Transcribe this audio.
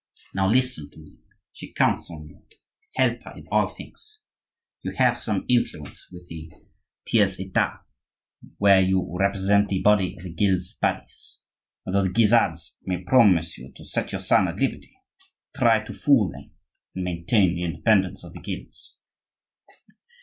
Now listen to me; she counts on you to help her in all things. You have some influence with the tiers etat, where you represent the body of the guilds of Paris, and though the Guisards may promise you to set your son at liberty, try to fool them and maintain the independence of the guilds.